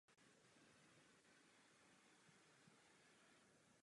Tato šikana zhoršuje vztahy na pracovišti a zvyšuje kult osobnosti vedoucích.